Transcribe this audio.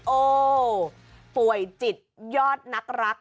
โอ้ป่วยจิตยอดนักรัก